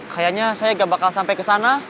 kayaknya saya gak bakal sampai kesana